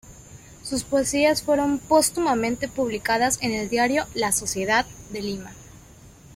Sus poesías fueron póstumamente publicadas en el diario "La Sociedad" de Lima.